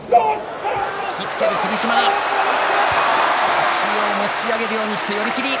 腰を持ち上げるようにして寄り切り。